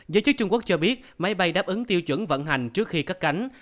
giới chức trung quốc cho biết máy bay đáp ứng tiêu chuẩn vận hành trước khi cất cánh